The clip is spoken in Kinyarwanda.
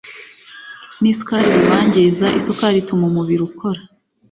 n’isukari biwangiza. Isukari ituma umubiri ukora